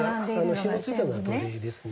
ひも付いてるのは土鈴ですね。